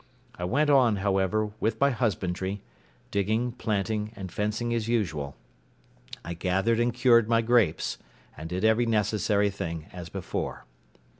I went on, however, with my husbandry; digging, planting, and fencing as usual. I gathered and cured my grapes, and did every necessary thing as before.